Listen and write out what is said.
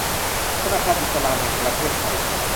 ธนาคารอิสลามแห่งประเทศไทย